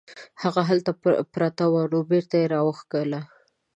هغه هلته پرته وه نو بیرته یې راوکښله.